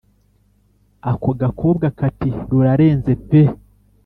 ako gakobwa kati “ rurarenze pee